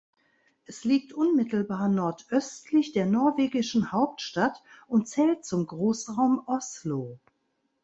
Es liegt unmittelbar nordöstlich der norwegischen Hauptstadt und zählt zum Großraum Oslo.